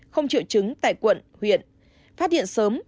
không triệu chứng tại quận huyện phát hiện sớm